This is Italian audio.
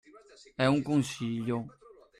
È un consiglio.